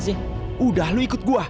sudah kamu ikut saya